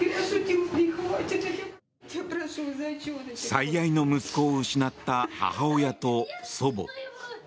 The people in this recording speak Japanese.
最愛の息子を失った母親と祖母。